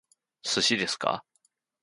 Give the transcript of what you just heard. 寿司ですか？